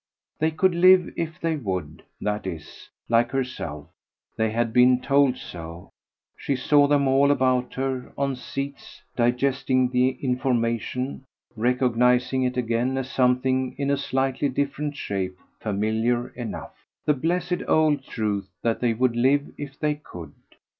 They could live if they would; that is, like herself, they had been told so: she saw them all about her, on seats, digesting the information, recognising it again as something in a slightly different shape familiar enough, the blessed old truth that they would live if they could.